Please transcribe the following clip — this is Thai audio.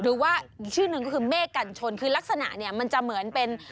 หรือว่าชื่อหนึ่งก็คือเมฆกันชนคือลักษณะเนี่ยมันจะเหมือนเป็น